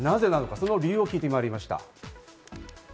その理由を聞いてまいりました。